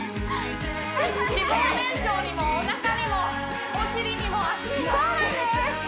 脂肪燃焼にもおなかにもお尻にも脚にもそうなんです！